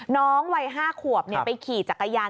วัย๕ขวบไปขี่จักรยาน